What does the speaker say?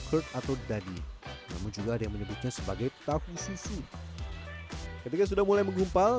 herd atau dadi namun juga ada yang menyebutnya sebagai tahu sisi ketika sudah mulai menggumpal